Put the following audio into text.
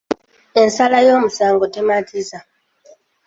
Ensala y’omusango tematiza.